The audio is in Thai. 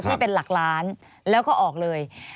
ที่เป็นหลักล้านแล้วก็ออกเลย